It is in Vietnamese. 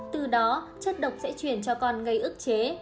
từ đó chất độc sẽ chuyển cho con gây ức chế